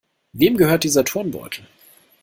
Wem gehört dieser Turnbeutel?